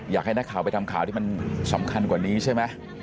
อยากให้นักข่าวไปทำข่าวที่มันสำคัญกว่านี้ใช่ไหม